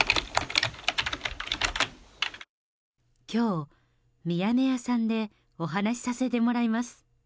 きょう、ミヤネ屋さんでお話しさせてもらいます。